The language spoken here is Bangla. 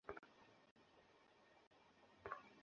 আমি অতসব বুঝি না।